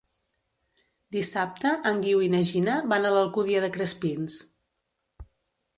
Dissabte en Guiu i na Gina van a l'Alcúdia de Crespins.